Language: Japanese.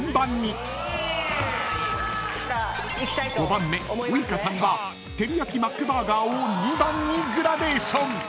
［５番目ウイカさんはてりやきマックバーガーを２番にグラデーション］